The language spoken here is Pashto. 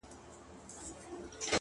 • تر بچو پوري خواړه یې رسوله ,